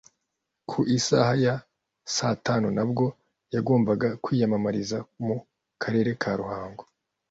ku isaha ya saa tanu nabwo yagombaga kwiyamamariza mu karere ka Ruhango